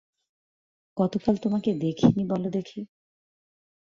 কতকাল তোমাকে দেখি নি বলো দেখি?